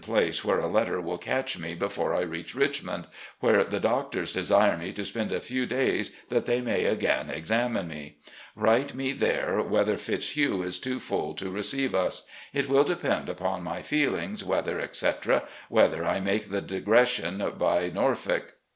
THE SOUTHERN TRIP 399 where a letter will catch me before I reach Richmond, where the doctors desire me to spend a few days that they may again examine me. Write me there whether Fitz hugh is too full to receive us. It will depend upon my feelings, weather, etc., whether I make the digression by Norfolk.